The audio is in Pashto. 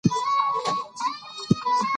مور او پلار لومړني ښوونکي دي.